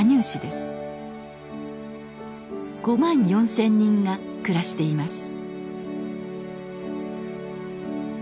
５万４，０００人が暮らしています。